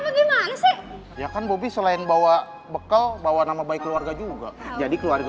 apa gimana sih ya kan bobby selain bawa bekal bahwa nama baik keluarga juga jadi keluarga